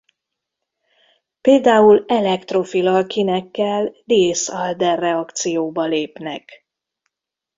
Például elektrofil alkinekkel Diels–Alder-reakcióba lépnek.